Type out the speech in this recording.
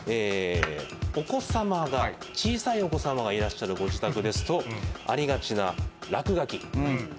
お子様が小さいお子様がいらっしゃるご自宅ですと、ありがちな落書き。